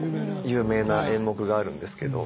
有名な演目があるんですけど。